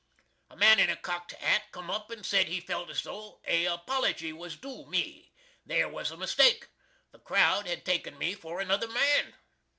A man in a cockt hat cum up and sed he felt as though a apology was doo me. There was a mistake. The crowd had taken me for another man!